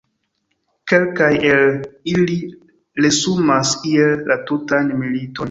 Kelkaj el ili resumas iel la tutan militon.